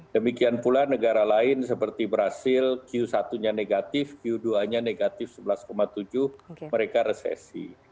demikian pula negara lain seperti brazil q satu nya negatif q dua nya negatif sebelas tujuh mereka resesi